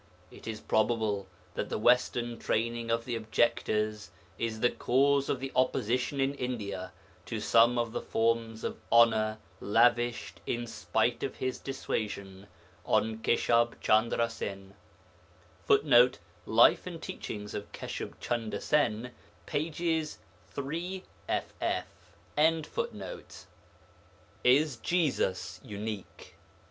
It is probable that the Western training of the objectors is the cause of the opposition in India to some of the forms of honour lavished, in spite of his dissuasion, on Keshab Chandra Sen. [Footnote: Life and Teachings of Keshub Chunder Sen, pp. III ff.] IS JESUS UNIQUE?